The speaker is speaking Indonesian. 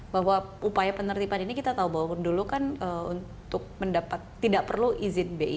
bahwa upaya penertiban ini kita tahu bahwa dulu kan untuk mendapat tidak perlu izin bi